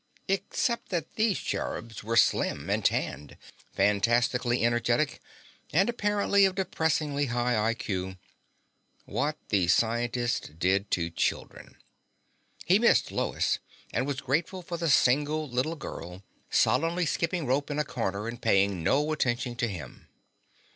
Except that these cherubs were slim and tanned, fantastically energetic, and apparently of depressingly high IQ. (What these scientists did to children!) He missed Lois and was grateful for the single little girl solemnly skipping rope in a corner and paying no attention to him.